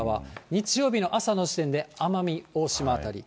日曜日の朝の時点で奄美大島辺り。